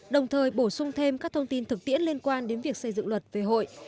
đồng thời bổ sung thêm các thông tin thực tiễn liên quan đến việc xây dựng luật về hội